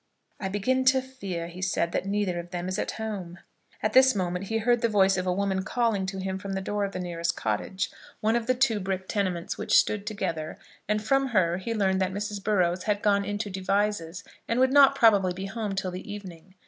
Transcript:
"I begin to fear," he said, "that neither of them is at home." At this moment he heard the voice of a woman calling to him from the door of the nearest cottage, one of the two brick tenements which stood together, and from her he learned that Mrs. Burrows had gone into Devizes, and would not probably be home till the evening.